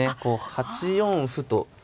８四歩と。